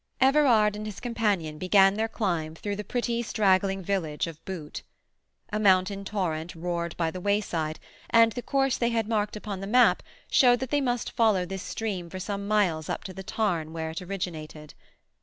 Everard and his companion began their climb through the pretty straggling village of Boot. A mountain torrent roared by the wayside, and the course they had marked upon the map showed that they must follow this stream for some miles up to the tarn where it originated.